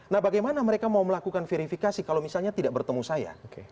nah bagaimana mereka mau melakukan verifikasi kalau misalnya tidak bertemu saya